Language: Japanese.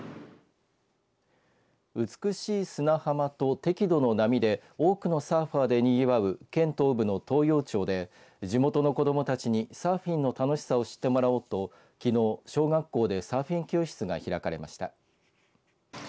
美しい砂浜と適度の波で多くのサーファーでにぎわう県東部の東洋町で地元の子どもたちにサーフィンの楽しさを知ってもらおうときのう小学校でサーフィン教室が開かれました。